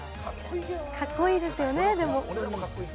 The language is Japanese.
カッコいいですよね、でも。